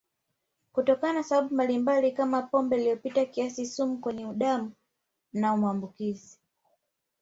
Kutokana na sababu mbalimbali kama pombe iliyopita kiasi sumu kwenye damu au maambukizi